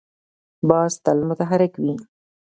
باز تل متحرک وي